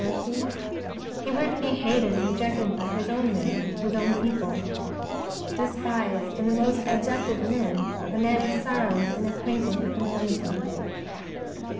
mercy, He would be bated and rejected by His own people :^' Despised and tbe most abject of men, a man of sorrows and acquainted Avith infirmity."